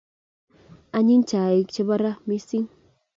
Anyiny chaik chebo ra mising